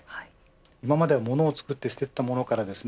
今まではものを作って捨ててたきものからですね